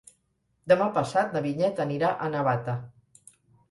Demà passat na Vinyet anirà a Navata.